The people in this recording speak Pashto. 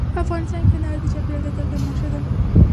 افغانستان کې کندهار د چاپېریال د تغیر نښه ده.